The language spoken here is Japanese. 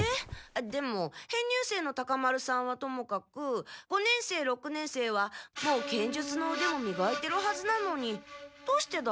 でもへん入生のタカ丸さんはともかく五年生六年生はもう剣術のうでもみがいてるはずなのにどうしてだろう？